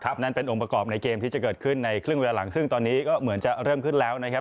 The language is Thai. นั่นเป็นองค์ประกอบในเกมที่จะเกิดขึ้นในครึ่งเวลาหลังซึ่งตอนนี้ก็เหมือนจะเริ่มขึ้นแล้วนะครับ